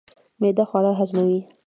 معده خواړه هضموي.